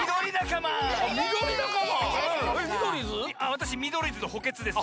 わたしミドリーズのほけつです。